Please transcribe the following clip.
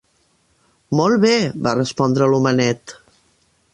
"Molt bé", va respondre l'homenet.